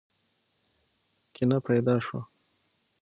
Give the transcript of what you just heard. کینه پیدا شوه.